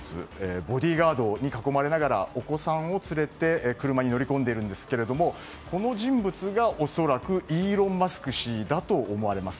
ボディーガードに囲まれながらお子さんを連れて車に乗り込んでいますがこの人物が恐らくイーロン・マスク氏と思われます。